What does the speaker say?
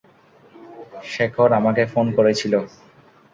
স্যাখর আমাকে ফোন করেছিল।